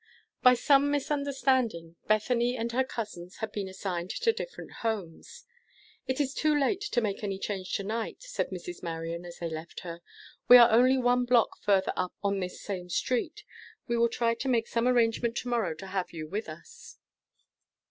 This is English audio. BY some misunderstanding, Bethany and her cousins had been assigned to different homes. "It is too late to make any change to night," said Mrs. Marion, as they left her. "We are only one block further up on this same street. We will try to make some arrangement to morrow to have you with us."